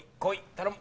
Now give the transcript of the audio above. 頼む！